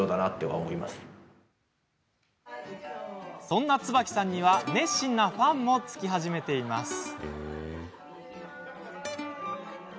そんな椿さんには熱心なファンもつき始めています。